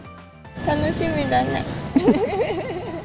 楽しみだね。